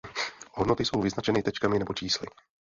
Hodnoty jsou vyznačeny tečkami nebo čísly.